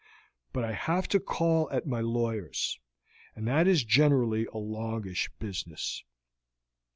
But I have to call at my lawyer's, and that is generally a longish business.